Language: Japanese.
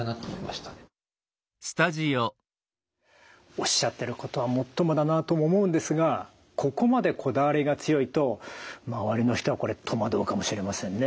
おっしゃってることはもっともだなとも思うんですがここまでこだわりが強いと周りの人はこれ戸惑うかもしれませんね。